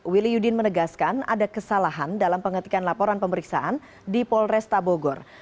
wiliudin menegaskan ada kesalahan dalam pengetikan laporan pemeriksaan di polresta bogor